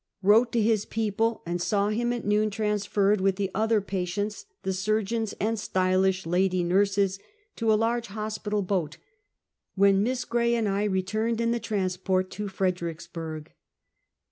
"Wrote to his people, and saw him at noon trans ferred with the other patients, the surgeons and stylish lady nurses, to a large hospital boat; when Miss Gray and I returned in the transport to Fredricksburg.